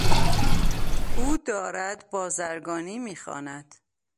او دارد بازرگانی میخواند.